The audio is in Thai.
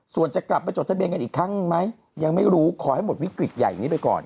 ส่วนจะกลับไปจดทะเบียนกันอีกครั้งไหมยังไม่รู้ขอให้หมดวิกฤตใหญ่นี้ไปก่อน